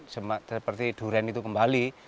seperti durian itu kembali